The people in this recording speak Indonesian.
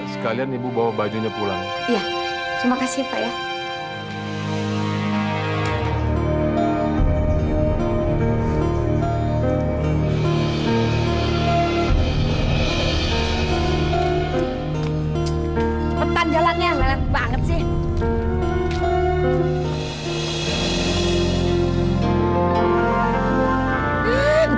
sekalian ibu bawa bajunya pulang